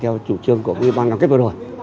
theo chủ trương của bộ y tế bàn cầm kết vừa rồi